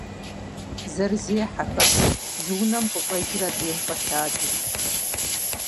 Зэрызехьэхэрт, зы унэм къыщӀэжрэ адрейм щӀэлъадэу.